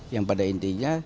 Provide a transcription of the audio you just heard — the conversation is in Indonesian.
yang pada intinya